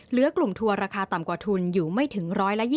เหลือกลุ่มทัวร์ราคาต่ำกว่าทุนอยู่ไม่ถึง๑๒๐